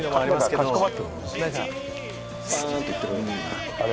かしこまってる。